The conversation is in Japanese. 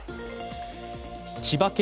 千葉県